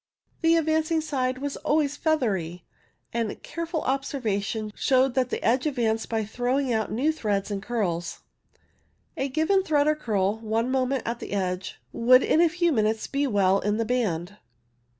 The advancing side was always feathery, and careful observation showed that the edge ad vanced by throwing out new threads and curls. A given thread or curl, one moment at the edge, would in a few minutes be well in the band.